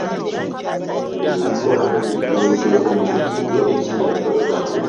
Emikwano egitugenzeeko mingi nnyo ebiseera bino.